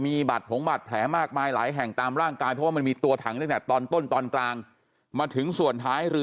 มีบัตรโผล่บัตรแผงมากมายหลายแห่งตามร่างกายเพราะมันมีตัวถังศักดิ์แค่ตอนต้นตอนกลางมาถึงส่วน